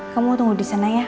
kamu tunggu di sana ya